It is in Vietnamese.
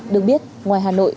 được biết ngoài hà nội